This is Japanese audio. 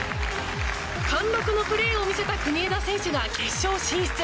貫禄のプレーを見せた国枝選手が決勝進出。